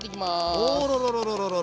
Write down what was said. あらららららら。